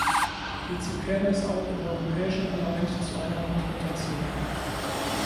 Hierzu käme es auch im Europäischen Parlament zu einer Konfrontation.